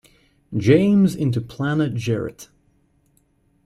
James into Planet Jarrett.